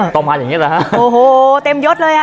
ต่อมาอย่างงี้แล้วฮะโอ้โฮเต็มยกเลยอะ